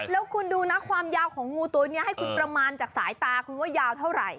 แล้วคุณดูนะความยาวของงูตัวนี้ให้คุณประมาณจากสายตาคุณว่ายาวเท่าไหร่